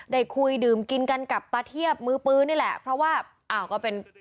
ได้คุยดื่มกินกันกับตาเทียบมือปืนนี่แหละเพราะว่าอ้าวก็เป็น